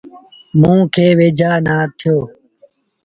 موݩ کي ويجھآ نا ٿيٚو۔